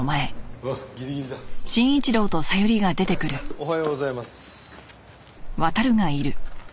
おはようございます。